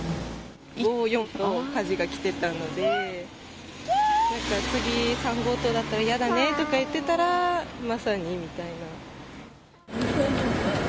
５、４と火事がきてたので、なんか次、３号棟だったら嫌だねとか言ってたら、まさにみたいな。